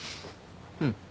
うん。